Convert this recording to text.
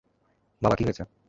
বাবা, কী হয়েছে?